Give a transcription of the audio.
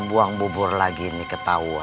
buang bubur lagi nih ketauan